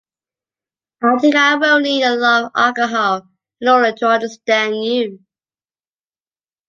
I think I will need a lot of alcohol in order to understand you.